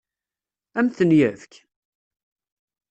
Ad m-ten-yefk?